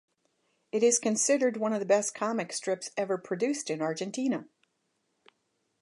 It is considered one of the best comic strips ever produced in Argentina.